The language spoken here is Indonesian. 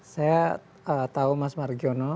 saya tahu mas margiono